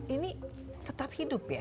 ini tetap hidup ya